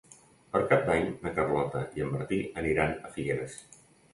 Per Cap d'Any na Carlota i en Martí aniran a Figueres.